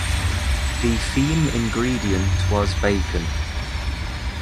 The theme ingredient was bacon.